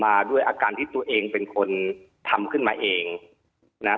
ด้วยอาการที่ตัวเองเป็นคนทำขึ้นมาเองนะฮะ